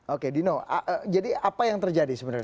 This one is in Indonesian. oke dino jadi apa yang terjadi sebenarnya